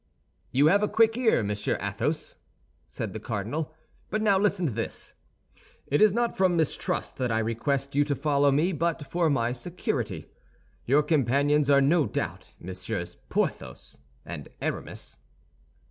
"You have a quick ear, Monsieur Athos," said the cardinal; "but now listen to this. It is not from mistrust that I request you to follow me, but for my security. Your companions are no doubt Messieurs Porthos and Aramis."